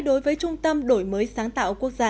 đối với trung tâm đổi mới sáng tạo quốc gia